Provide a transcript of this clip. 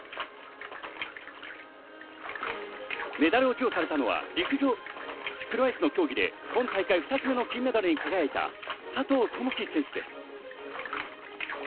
メダルを授与されたのは、陸上競技で今大会２つ目の金メダルに輝いた佐藤友祈選手です。